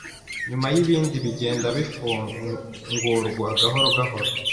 nyuma n’ibindi bigenda bifungurwa gahoro gahoro